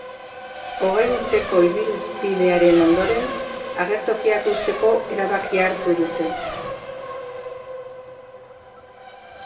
Hogei urteko ibilbidearen ondoren, agertokiak uzteko erabakia hartu dute.